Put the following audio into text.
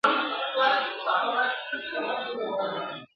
عدالت د ژوند په ټولو برخو کي په کار دی.